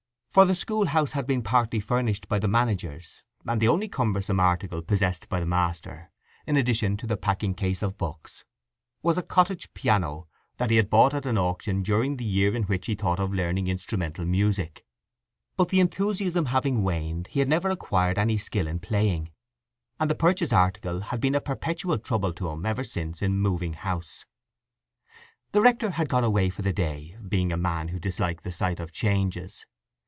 For the schoolhouse had been partly furnished by the managers, and the only cumbersome article possessed by the master, in addition to the packing case of books, was a cottage piano that he had bought at an auction during the year in which he thought of learning instrumental music. But the enthusiasm having waned he had never acquired any skill in playing, and the purchased article had been a perpetual trouble to him ever since in moving house. The rector had gone away for the day, being a man who disliked the sight of changes.